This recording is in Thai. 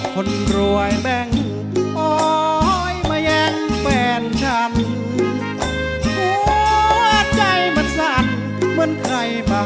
คนรวยแบ่งปอยมายังแฟนฉันหัวใจมันสั่นเหมือนใครเปล่า